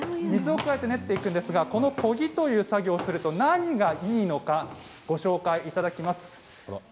水を加えて練っていくんですがこの研ぎという作業をすると何がいいのかご紹介していただきます。